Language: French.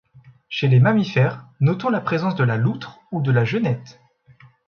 Chez les mammifères, notons la présence de la loutre ou de la genette.